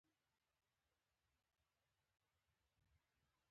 د افغانستان د اقتصادي پرمختګ لپاره پکار ده چې بېکاري ختمه شي.